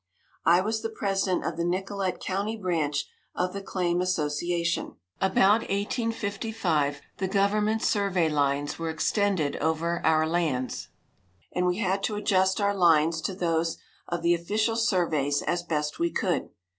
I was the president of the Nicollet county branch of the claim association. About 1855 the government survey lines were extended over our lands, and we had to adjust our lines to those of the official surveys as best we could.